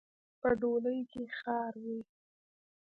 په ډولۍ کې خاروئ.